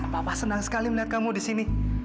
papa senang sekali melihat kamu di sini